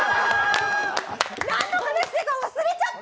何の話してたか忘れちゃった。